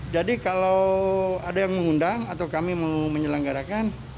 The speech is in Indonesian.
jadi kalau ada yang mengundang atau kami menyelenggarakan